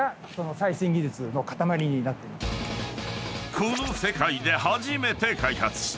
［この世界で初めて開発した］